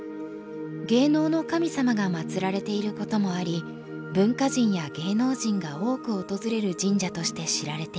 芸能の神様がまつられていることもあり文化人や芸能人が多く訪れる神社として知られています。